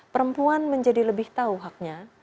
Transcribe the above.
perempuan menjadi lebih tahu haknya